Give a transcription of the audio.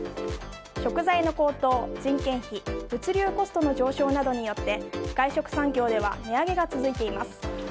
食材の高騰人件費・物流コストの上昇などによって外食産業では値上げが続いています。